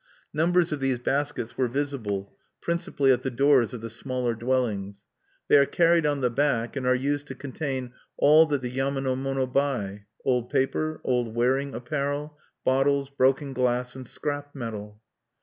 Numbers of these baskets were visible, principally at the doors of the smaller dwellings. They are carried on the back, and are used to contain all that the yama no mono buy, old paper, old wearing apparel, bottles, broken glass, and scrap metal.